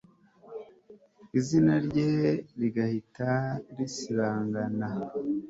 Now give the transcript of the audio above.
izina rye rigahita risibangana